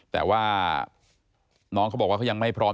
แต่ว่าน้องเขาบอกว่าเขายังไม่พร้อม